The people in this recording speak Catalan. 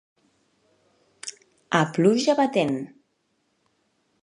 A pluja batent.